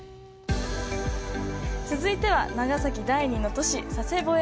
続いては、長崎第２の都市・佐世保へ。